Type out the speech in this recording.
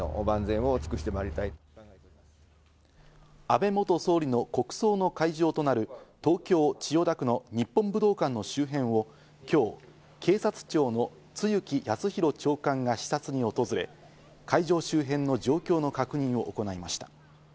安倍元総理の国葬の会場となる、東京・千代田区の日本武道館の周辺を今日、警察庁の露木康浩長官が視察に訪れ、会場周辺の状況の確認を行いました。